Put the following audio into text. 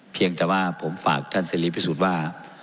เพียงแต่ว่าผมฝากท่านเสรีพิสูจน์ว่า